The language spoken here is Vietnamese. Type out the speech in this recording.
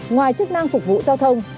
ngoài chức năng phục vụ giao thông